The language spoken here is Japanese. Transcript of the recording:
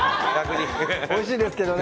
おいしいですけどね。